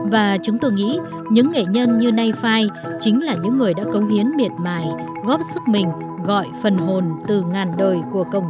và chúng tôi nghĩ những nghệ nhân như nay phai chính là những người đã cống hiến miệt mài góp sức mình gọi phần hồn từ ngàn đời của cộng đồng